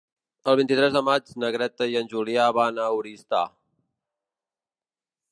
El vint-i-tres de maig na Greta i en Julià van a Oristà.